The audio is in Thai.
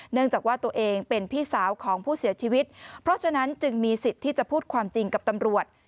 จากว่าตัวเองเป็นพี่สาวของผู้เสียชีวิตเพราะฉะนั้นจึงมีสิทธิ์ที่จะพูดความจริงกับตำรวจ